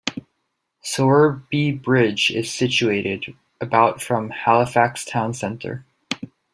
Sowerby Bridge is situated about from Halifax town centre.